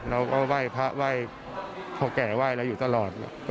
เราก็ไหว่พ่อแก่ไหว่แล้วอยู่ตลอด